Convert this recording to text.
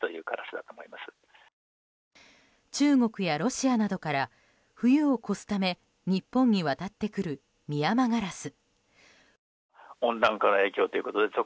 中国やロシアなどから冬を越すため日本に渡ってくるミヤマガラス。